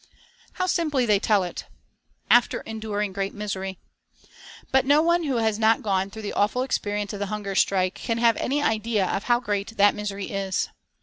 How simply they tell it. "After enduring great misery " But no one who has not gone through the awful experience of the hunger strike can have any idea of how great that misery is.